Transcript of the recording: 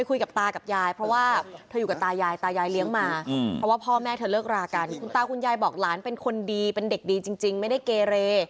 คุณตาวคุณยายบอกหลานเป็นคนดีเป็นเด็กดีจริงไม่ได้เกเร